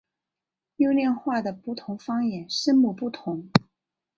优念话的不同方言声母不同。